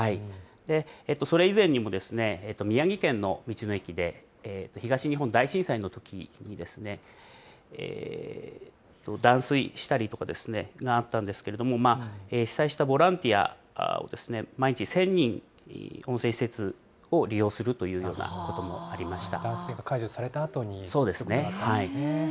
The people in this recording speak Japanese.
それ以前にも宮城県の道の駅で、東日本大震災のときに、断水したりとかがあったんですけれども、被災した、ボランティアを毎日１０００人、温泉施設を利用するというようなこともありました。